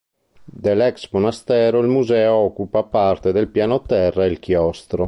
Dell'ex monastero il Museo occupa parte del piano terra e il chiostro.